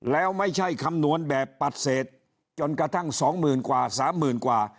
แล้วไม่ใช่คำนวณแบบปัดเศษจนกระทั่ง๒๐๐๐กว่า๓๐๐๐กว่า